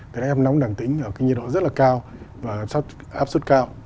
đã ép nóng đẳng tính ở cái nhiệt độ rất là cao và áp suất cao